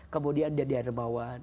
kemudian dia diademawan